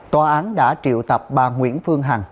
tòa án đã triệu tập bà nguyễn phương hằng